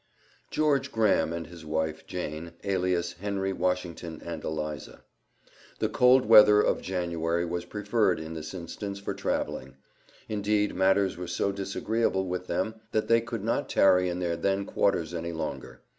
George Graham and wife, Jane, alias Henry Washington and Eliza. The cold weather of January was preferred, in this instance, for traveling. Indeed matters were so disagreeable with them that they could not tarry in their then quarters any longer.